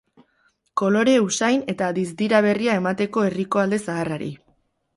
Kolore, usain, eta dizdira berria emateko herriko alde zaharrari.